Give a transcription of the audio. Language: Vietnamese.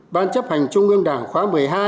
ban chấp hành trung ương đảng khóa một mươi hai